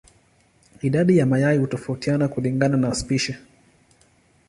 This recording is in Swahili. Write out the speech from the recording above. Idadi ya mayai hutofautiana kulingana na spishi.